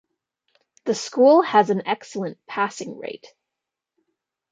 The school has an excellent passing rate.